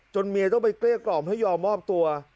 เมียต้องไปเกลี้ยกล่อมให้ยอมมอบตัว